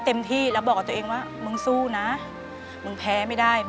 เปลี่ยนเพลงเพลงเก่งของคุณและข้ามผิดได้๑คำ